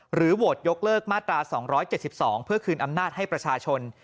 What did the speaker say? โหวตยกเลิกมาตรา๒๗๒เพื่อคืนอำนาจให้ประชาชน